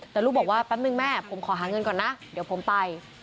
แต่ลูกบอกว่าแป๊บนึงแม่ผมขอหาเงินก่อนนะเดี๋ยวผมไป